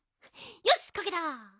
よしかけた！